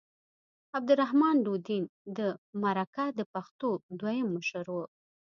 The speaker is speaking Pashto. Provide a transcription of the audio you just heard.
عبدالرحمن لودین د مرکه د پښتو دویم مشر و.